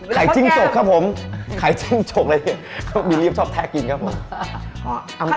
ไข่จิ้งจกครับผมไข่จิ้งจกบิลลิฟท์ชอบแท๊กกินครับผม